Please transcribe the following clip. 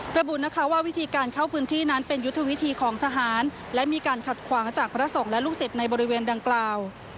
ระบุนะคะว่าวิธีการเข้าพื้นที่นั้นเป็นยุทธวิธีของทหารและมีการขัดขวางจากพระสงฆ์และลูกศิษย์ในบริเวณดังกล่าว